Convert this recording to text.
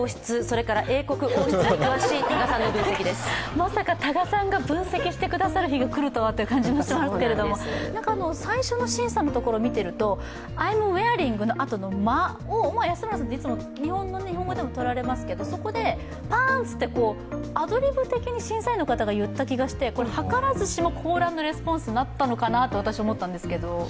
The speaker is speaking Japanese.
まさか多賀さんが分析してくださる日が来るなんてという感じがしますけど、なんか、最初の審査のところを見てるとアイムウェアリングの間の間を、日本語でもとられますけど、そこでパーンツ！ってアドリブ的に審査員の方が言ったような感じがしてはからずとも、リスポンスになったのかなと思いましたけど。